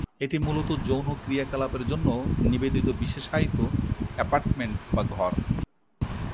এটি মূলত যৌন ক্রিয়াকলাপের জন্য নিবেদিত বিশেষায়িত অ্যাপার্টমেন্ট বা ঘর।